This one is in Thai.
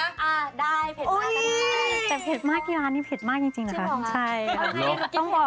อ่าได้เผ็ดมากกันได้แต่เผ็ดมากเกียราณนี้เผ็ดมากจริงค่ะใช่เหรอต้องบอกก่อน